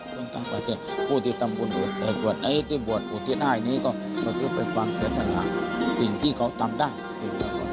ประเภทภูติศัพท์บุญอุตสินห้าคือเป็นความเผ็ดขนาดสิ่งที่เขาตามได้